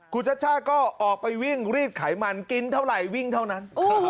คุณชัชชาก็ออกไปวิ่งรีดไขมันกินเท่าไหร่วิ่งเท่านั้น